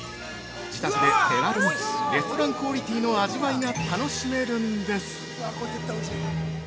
自宅で手軽にレストランクオリティーの味わいが楽しめるんです。